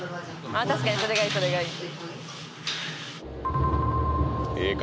あ確かにそれがいいそれがいいええ顔